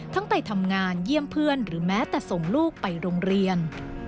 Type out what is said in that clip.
ไปทำงานเยี่ยมเพื่อนหรือแม้แต่ส่งลูกไปโรงเรียน